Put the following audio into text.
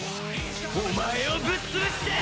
お前をぶっ潰して！